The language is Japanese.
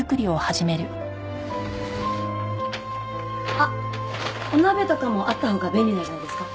あっお鍋とかもあったほうが便利なんじゃないですか？